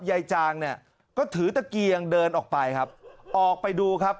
จางเนี่ยก็ถือตะเกียงเดินออกไปครับออกไปดูครับ